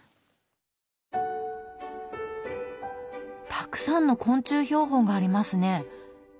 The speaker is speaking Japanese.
たくさんの昆虫標本がありますね。